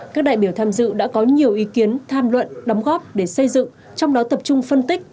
các đại biểu tham dự đã có nhiều ý kiến tham luận đóng góp để xây dựng trong đó tập trung phân tích